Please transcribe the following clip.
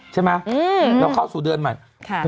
ใช่ไหมเราเข้าสู่เดือนใหม่